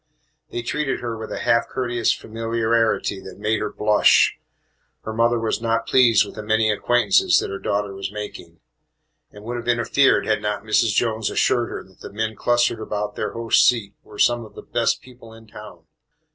They treated her with a half courteous familiarity that made her blush. Her mother was not pleased with the many acquaintances that her daughter was making, and would have interfered had not Mrs. Jones assured her that the men clustered about their host's seat were some of the "best people in town."